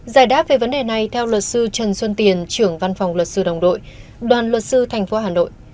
giải đáp về vấn đề này theo luật sư trần xuân tiền trưởng văn phòng luật sư đồng đội đoàn luật sư thành phố hà nội